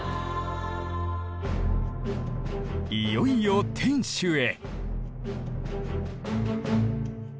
いよいよ天守へ。